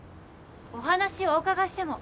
お話お伺いしても？